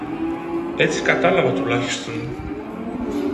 Έτσι κατάλαβα τουλάχιστον.